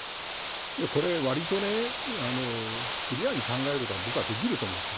これは、割とクリアに考えることができると思うんです。